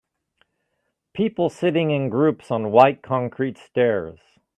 People sitting in groups on white concrete stairs.